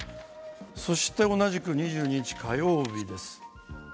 そして同じく２２日火曜日です。